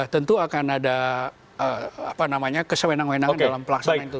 tentu akan ada kesewenang wenangan dalam pelaksanaan itu